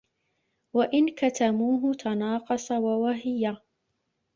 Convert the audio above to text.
وَإِنْ كَتَمُوهُ تَنَاقَصَ وَوَهِيَ